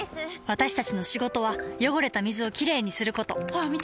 私たちの仕事は汚れた水をきれいにすることホアン見て！